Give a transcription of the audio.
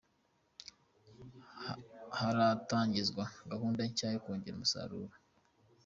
Haratangizwa gahunda nshya yo kongera umusaruro